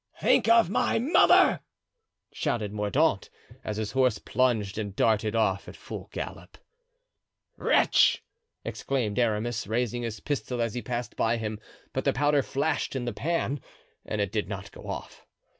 "Think of my mother!" shouted Mordaunt, as his horse plunged and darted off at full gallop. "Wretch!" exclaimed Aramis, raising his pistol as he passed by him; but the powder flashed in the pan and it did not go off.